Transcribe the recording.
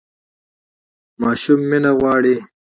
ماشوم مینه غواړي